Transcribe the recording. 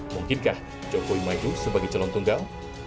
mungkinkah jokowi maju sebagai calon tunggal